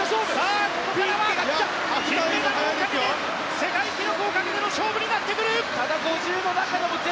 ここからは金メダルをかけての世界記録をかけての勝負になってくる！